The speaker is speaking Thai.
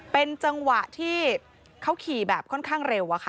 เป็นจังหวะที่เขาขี่แบบค่อนข้างเร็วอะค่ะ